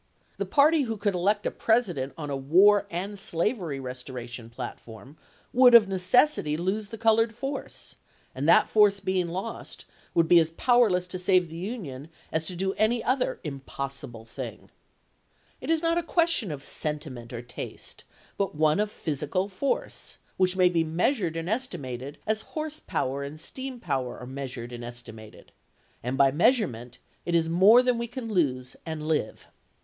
The party who could elect a President on a War and Slavery Restoration platform would, of necessity, lose the colored force ; and that force being lost, would be as powerless to save the Union as to do any other impossible thing. THE JAQUESS GILMORE MISSION 217 "It is not a question of sentiment or taste, but chaf.ix. one of physical force, which may be measured and estimated, as horse power and steam power are measured and estimated. And by measurement it is more than we can lose and live.